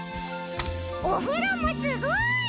おふろもすごい！